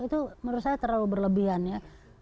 itu menurut saya terlalu berlebihan ya